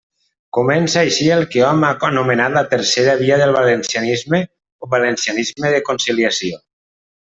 Comença així el que hom ha anomenat la «tercera via» del valencianisme o valencianisme de conciliació.